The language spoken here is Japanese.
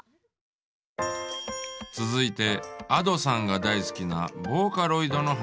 続いてＡｄｏさんが大好きなボーカロイドの話。